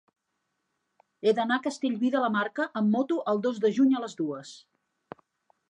He d'anar a Castellví de la Marca amb moto el dos de juny a les dues.